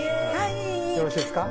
よろしいですか？